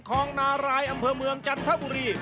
คลองนารายอำเภอเมืองจันทบุรี